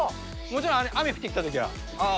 もちろん雨降ってきたときは。